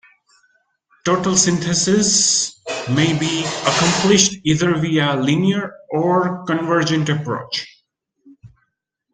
Total synthesis may be accomplished either via a linear or convergent approach.